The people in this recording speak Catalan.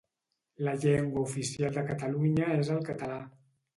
La llengua oficial de Catalunya és el català.